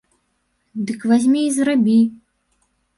Дык вазьмі і зрабі!